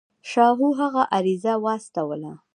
شاهو هغه ته عریضه واستوله.